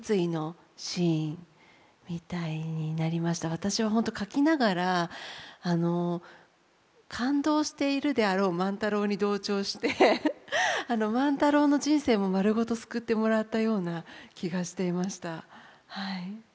私は本当書きながら感動しているであろう万太郎に同調して万太郎の人生も丸ごと救ってもらったような気がしていました。